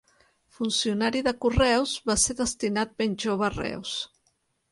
Funcionari de Correus, va ser destinat ben jove a Reus.